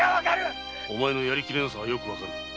お前のやりきれなさはよくわかる。